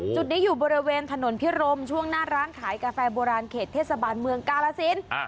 จุดนี้อยู่บริเวณถนนพิรมช่วงหน้าร้านขายกาแฟโบราณเขตเทศบาลเมืองกาลสิน